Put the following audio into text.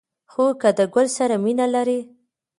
خو که د گل سره مینه لرئ